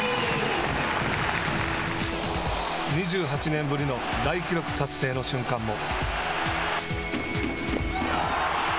２８年ぶりの大記録達成の瞬間も。